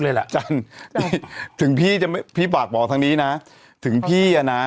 เลยล่ะจันถึงพี่จะไม่พี่ปากบอกทั้งนี้น่ะถึงพี่อ่ะน่ะ